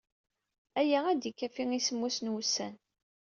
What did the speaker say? Aya ad d-ikafi i semmus wussan.